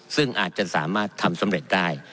ซึ่งอาจจะสามารถทำสำเร็จได้